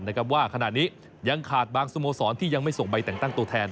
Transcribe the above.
ว่าขณะนี้ยังขาดบางสโมสรที่ยังไม่ส่งใบแต่งตั้งตัวแทน